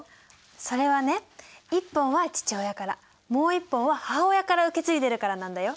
それはね一本は父親からもう一本は母親から受け継いでるからなんだよ。